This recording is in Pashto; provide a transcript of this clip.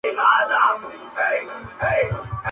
یو له بله کړو پوښتني لکه ښار د ماشومانو!!